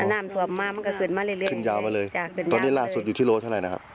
น้ำท่วมมามันก็ขึ้นมาเรื่อยขึ้นยาวมาเลยจ้ะตอนนี้ล่าสุดอยู่ที่โลเท่าไหร่นะครับ